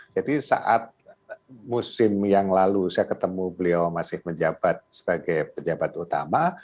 jadi saat musim yang lalu saya ketemu beliau masih menjabat sebagai pejabat utama